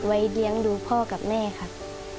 เลี้ยงดูพ่อกับแม่ครับ